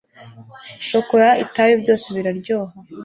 Shokora itabi byose biraryoha